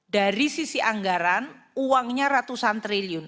dari sisi anggaran uangnya ratusan triliun